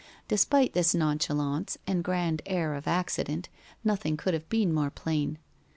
Despite this nonchalance and grand air of accident, nothing could have been more plain.